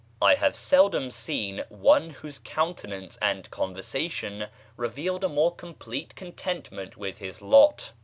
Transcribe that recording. I have seldom seen one whose countenance and conversation revealed a more complete contentment with his lot.